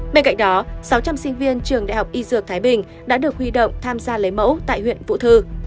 bên cạnh đó sáu trăm linh sinh viên trường đại học y dược thái bình đã được huy động tham gia lấy mẫu tại huyện vũ thư